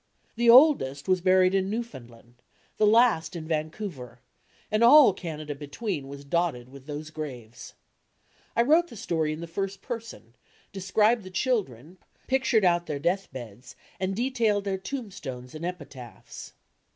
The oldest was buried in Newfoundland, the last in Van couver, and all Canada between was dotted with those graves. I wrote the story in the first person, described the children, picmred out their death beds, and detailed their tombstones and epitaphs.